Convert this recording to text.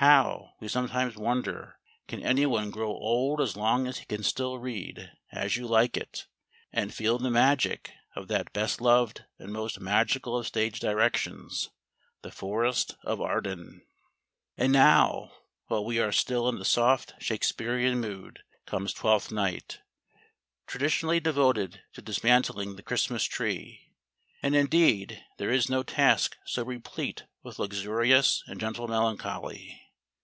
How, we sometimes wonder, can any one grow old as long as he can still read "As You Like It," and feel the magic of that best loved and most magical of stage directions The Forest of Arden. And now, while we are still in the soft Shakespearean mood, comes "Twelfth Night" traditionally devoted to dismantling the Christmas Tree; and indeed there is no task so replete with luxurious and gentle melancholy.